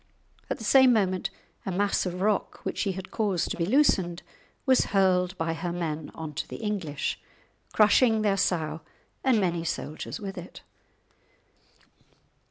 At the same moment a mass of rock, which she had caused to be loosened, was hurled by her men on to the English, crushing their sow and many soldiers with it.